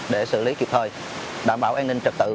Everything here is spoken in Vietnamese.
để xử lý kịp thời đảm bảo an ninh trật tự